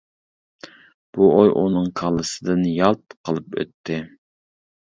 بۇ ئوي ئۇنىڭ كاللىسىدىن يالت قىلىپ ئۆتتى.